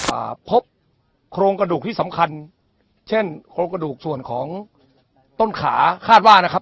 อ่าพบโครงกระดูกที่สำคัญเช่นโครงกระดูกส่วนของต้นขาคาดว่านะครับ